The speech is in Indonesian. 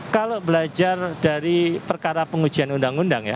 kalau belajar dari perkara pengujian undang undang ya